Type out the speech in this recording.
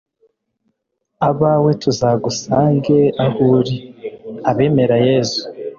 abawe; tuzagusange aho uri. abemera yezu